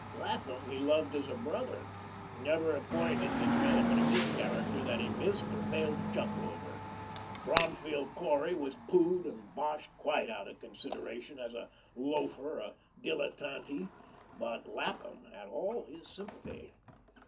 Lapham he loved as a brother. Never a point in the development of his character that he missed or failed to chuckle over. Bromfield Cory was poohed and boshed quite out of consideration as a "loafer," a "dilletanty," but Lapham had all his sympathy.